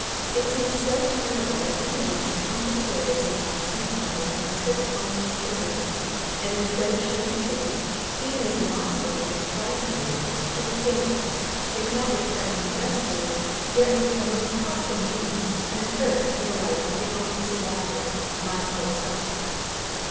It seemed so terrible that any one should come to the graves of my sweet mother and her six harmless children, and, instead of showing pity, as even a monster might have tried to do, should stand, if not with threatening gestures, yet with a most hostile mien, and thirst for the life of the only survivor my poor self.